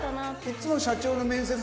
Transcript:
いっつも社長の面接